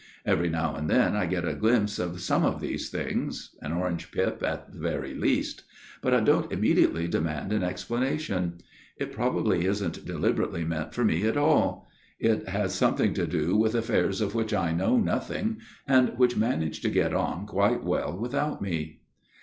Every now and then I get a glimpse of some of these things an orange pip, at the very least. But I don't immediately demand an explanation. It probably isn't deli berately meant for me at all. It has something to do with affairs of which I know nothing, and which manage to get on quite well without me."